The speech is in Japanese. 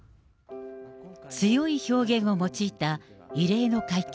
強い表現を用いた異例の会見。